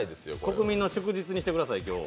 国民の祝日にしてくださいい、今日。